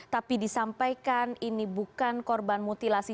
tapi disampaikan ini bukan korban mutilasi